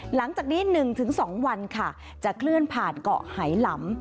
หลังจากนี้๑๒วันค่ะจะเคลื่อนผ่านเกาะไหลำ